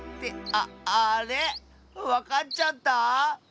ああれ⁉わかっちゃった？